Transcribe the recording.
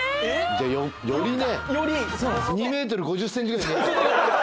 じゃあよりね。